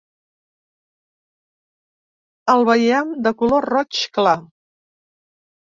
El veiem de color roig clar.